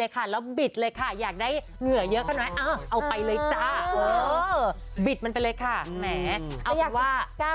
ใส่เข้าไปเลยค่ะ